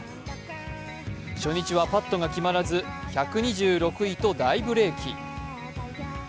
初日はパットが決まらず、１２６位と大ブレーキ。